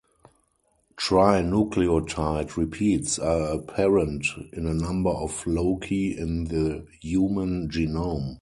Trinucleotide repeats are apparent in a number of loci in the human genome.